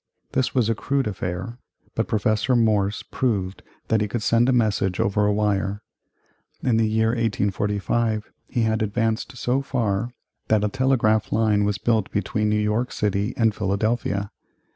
This was a crude affair, but Professor Morse proved that he could send a message over a wire. In the year 1845 he had advanced so far that a telegraph line was built between New York City and Philadelphia.